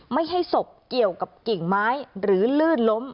ไม่ใช่ศพเกี่ยวกับกิ่งไม้หรือลื่นล้ม